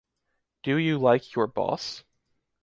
Do you like your boss?